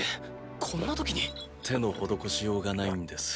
こんな時に⁉手の施しようがないんです。